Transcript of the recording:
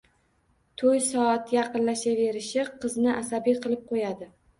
To`y soati yaqinlashaverishi qizni asabiy qilib qo`yadi